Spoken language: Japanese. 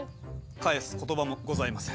返す言葉もございません。